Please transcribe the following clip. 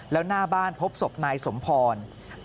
แล้วหน้าบ้านพบศพนายสมพร